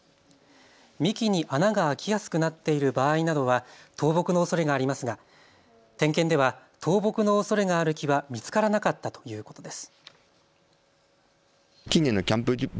幹に穴が空きやすくなっている場合などは倒木のおそれがありますが点検では倒木のおそれがある木は見つからなかったということです。